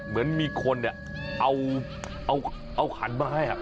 เหมือนมีคนเนี่ยเอาขันมาให้ครับ